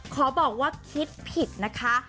ขอบอกว่าคิดผิดนะคะ